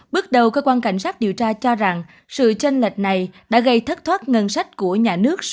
bước đầu cơ quan cảnh sát điều tra cho rằng sự tranh lệch này đã gây thất thoát ngân sách của nhà nước